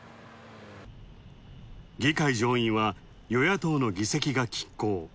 議会上院は与野党の議席が拮抗。